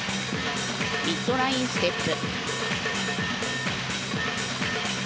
ミッドラインステップ。